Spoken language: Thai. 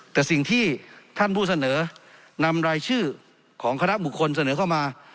แต่สิ่งที่ท่านผู้เสนอนำรายชื่อของคณะบุคคลเสนอเข้ามา